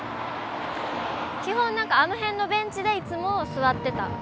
基本何かあの辺のベンチでいつも座ってた。